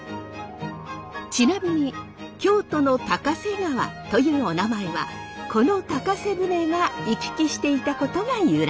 ちなみに京都の高瀬川というおなまえはこの高瀬舟が行き来していたことが由来。